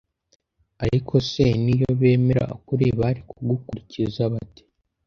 Ariko se n’iyo bemera ukuri bari kugukurikiza bate?